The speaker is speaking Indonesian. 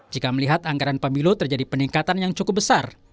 jika melihat anggaran pemilu terjadi peningkatan yang cukup besar